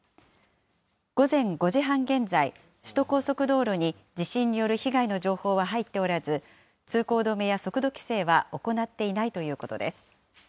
午前５時半現在、首都高速道路に地震による被害の情報は入っておらず、通行止めや速度規制は行っていないということです。